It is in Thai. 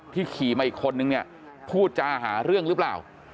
ที่ขี่มาอีกคนนึงพูดจาหาเรื่องหรือเปล่า